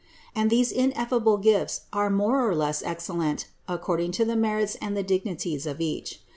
And these ineffable gifts are more or less excellent according to the merits and the dignities of each.